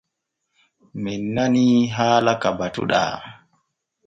Men nanii haala ka batuɗaa.